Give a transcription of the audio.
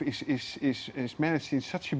kita akan melakukan itu dengan lebih baik